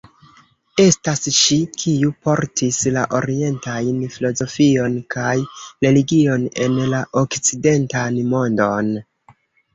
Estas ŝi, kiu portis la orientajn filozofion kaj religion en la okcidentan mondon.